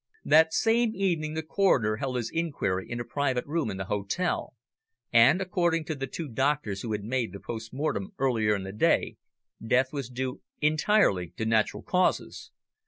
That same evening the Coroner held his inquiry in a private room in the hotel, and, according to the two doctors who had made the postmortem earlier in the day, death was due entirely to natural causes.